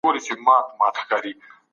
وروسته پاته والی باید موږ ناهیلي نه کړي.